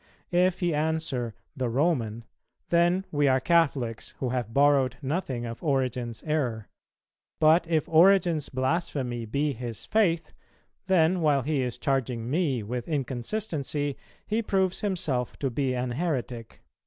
If he answer, 'The Roman,' then we are Catholics who have borrowed nothing of Origen's error; but if Origen's blasphemy be his faith, then, while he is charging me with inconsistency, he proves himself to be an heretic."